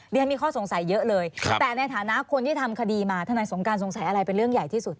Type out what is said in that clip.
เรียนมีข้อสงสัยเยอะเลยแต่ในฐานะคนที่ทำคดีมาทนายสงการสงสัยอะไรเป็นเรื่องใหญ่ที่สุด